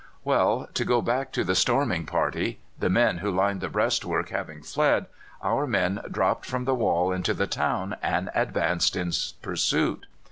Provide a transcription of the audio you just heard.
Well, to go back to the storming party. The men who lined the breastwork having fled, our men dropped from the wall into the town and advanced in pursuit.